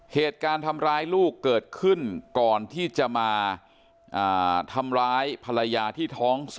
เหตุการณ์ทำร้ายลูกเกิดขึ้นก่อนที่จะมาทำร้ายภรรยาที่ท้อง๔